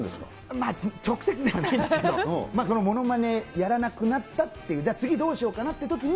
まあ、直接ではないんですけど、ものまねやらなくなったっていう、じゃあ次、どうしようかなってときに。